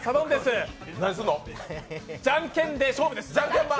じゃんけんで勝負です。